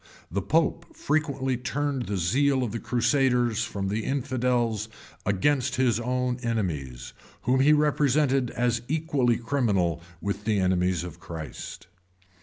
The pope frequently turned the zeal of the crusaders from the infidels against his own enemies, whom he represented as equally criminal with the enemies of Christ.